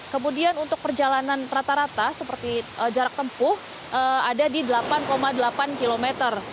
kemudian untuk perjalanan rata rata seperti jarak tempuh ada di delapan delapan kilometer